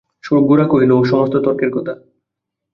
গোরা কহিল, ও-সমস্ত তর্কের কথা।